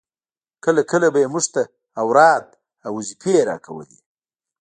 کله کله به يې موږ ته اوراد او وظيفې راکولې.